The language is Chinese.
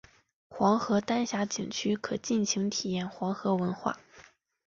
黄河丹霞景区可尽情体验黄河文化。